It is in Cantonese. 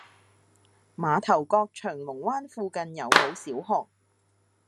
馬頭角翔龍灣附近有無小學？